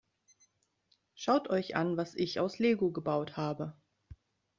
Schaut euch an, was ich aus Lego gebaut habe!